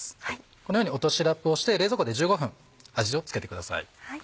このように落としラップをして冷蔵庫で１５分味を付けてください。